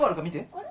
あれ？